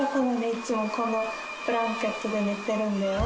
いつもこのブランケットで寝てるんだよ。